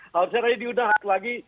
kalau saya tadi diundang lagi